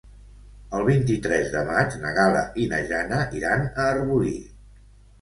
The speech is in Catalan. El vint-i-tres de maig na Gal·la i na Jana iran a Arbolí.